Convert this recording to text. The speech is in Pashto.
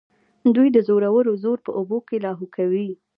دوی د زورورو زور په اوبو کې لاهو کوي.